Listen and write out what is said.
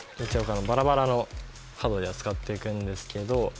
バラバラのカード使っていくんですけど。